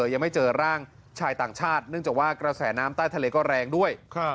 ยังไม่เจอร่างชายต่างชาติเนื่องจากว่ากระแสน้ำใต้ทะเลก็แรงด้วย